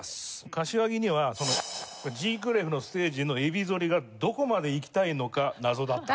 柏木にはＧ−クレフのステージのエビ反りがどこまでいきたいのか謎だった。